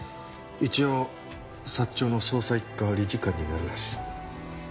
一応サッチョウの捜査一課理事官になるらしい。